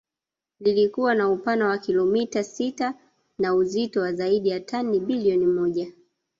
Liilikuwa na upana wa kilometa sita na uzito wa zaidi ya tani bilioni moja